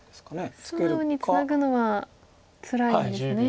素直にツナぐのはつらいんですね。